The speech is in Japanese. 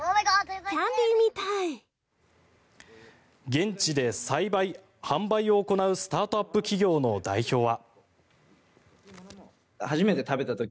現地で栽培・販売を行うスタートアップ企業の代表は。